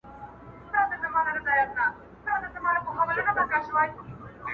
جهاني مي د پښتون غزل اسمان دی